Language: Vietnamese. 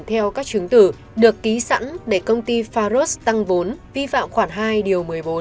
theo các chứng tử được ký sẵn để công ty faros tăng vốn vi phạm khoản hai điều một mươi bốn